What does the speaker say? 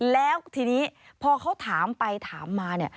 แล้วทีนี้พอเขาถามไปถามมา